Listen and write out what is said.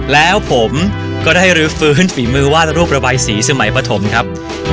แล้วผมก็ได้รื้อฟื้นฝีมือวาดรูประบายสีสมัยปฐมครับ